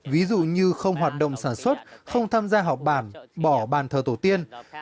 ví dụ như không hoạt động sản xuất không tham gia họp bản bỏ bàn thờ tổ tiên